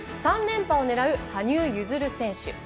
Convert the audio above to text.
３連覇を狙う、羽生結弦選手